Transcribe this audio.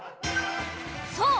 そう！